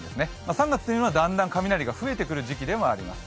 ３月というのは、だんだん雷が増えてくる時期でもあります。